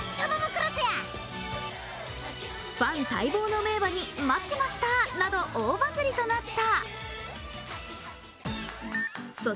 ファン待望の名馬に待ってましたなど大バズリとなった。